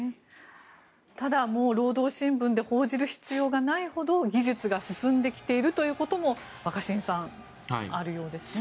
ただ、労働新聞で報じる必要がないほど技術が進んできてることも若新さん、あるようですね。